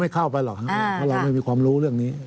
เข้าไปหรอกครับเพราะเราไม่มีความรู้เรื่องนี้